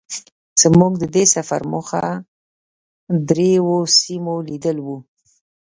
زمونږ د دې سفر موخه درېيو سیمو لیدل وو.